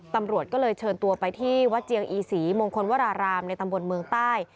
ตำรวจก็เลยเชิญตัวไปที่วัดเจียงอีศรีมงคลวรารามในตำบลเมืองใต้